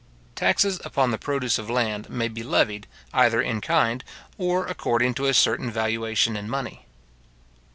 Taxes upon the produce of land may be levied, either in kind, or, according to a certain valuation in money.